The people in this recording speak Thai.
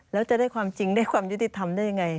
แล้วจะได้ความจริงได้ความยุติธรรมได้ยังไง